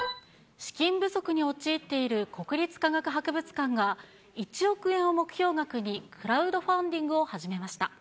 資金不足に陥っている国立科学博物館が、１億円を目標額にクラウドファンディングを始めました。